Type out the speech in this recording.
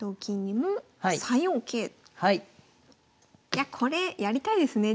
いやこれやりたいですね